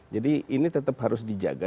jadi ini tetap harus dijaga